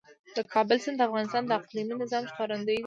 د کابل سیند د افغانستان د اقلیمي نظام ښکارندوی ده.